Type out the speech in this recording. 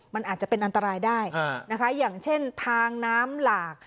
มันอาจจะเป็นอันตรายได้นะคะอย่างเช่นทางน้ำหลาก